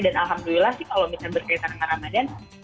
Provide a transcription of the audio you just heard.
dan alhamdulillah sih kalau misalnya berkaitan dengan ramadhan